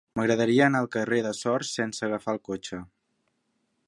M'agradaria anar al carrer de Sors sense agafar el cotxe.